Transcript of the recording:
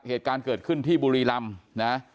เหตุการณ์เกิดขึ้นที่บุรีรำนะ